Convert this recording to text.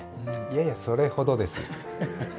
いやいや、それほどです。